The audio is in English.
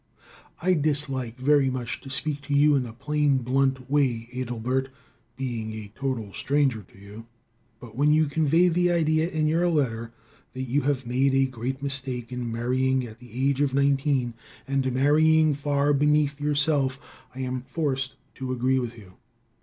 I dislike very much to speak to you in a plain, blunt way, Adelbert, being a total stranger to you, but when you convey the idea in your letter that you have made a great mistake in marrying at the age of nineteen, and marrying far beneath yourself, I am forced to agree with you.